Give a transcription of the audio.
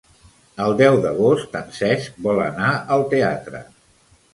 El deu d'agost en Cesc vol anar al teatre.